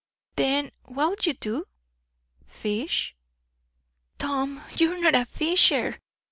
"Then what'll you do?" "Fish." "Tom! you're not a fisher.